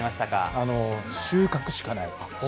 収穫しかない。